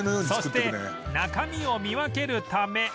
そして中身を見分けるため